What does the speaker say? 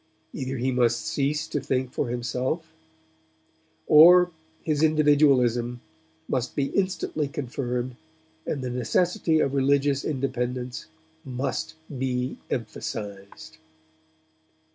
Either he must cease to think for himself; or his individualism must be instantly confirmed, and the necessity of religious independence must be emphasized.